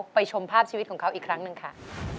ชมภาพชีวิตของเขาอีกครั้งหนึ่งค่ะ